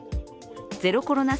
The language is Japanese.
ゼロコロナ